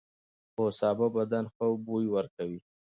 هو، سابه بدن ښه بوی ورکوي.